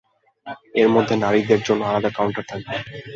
এর মধ্যে নারীদের জন্য আলাদা কাউন্টার থাকবে।